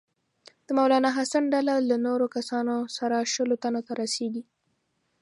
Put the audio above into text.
د مولنا حسن ډله له نورو کسانو سره شلو تنو ته رسیږي.